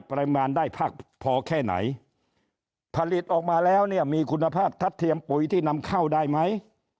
ปริมาณได้มากพอแค่ไหนผลิตออกมาแล้วเนี่ยมีคุณภาพทัดเทียมปุ๋ยที่นำเข้าได้ไหม